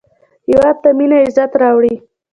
هېواد ته مینه عزت راوړي